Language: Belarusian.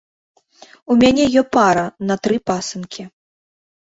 У мяне ё пара на тры пасынкі.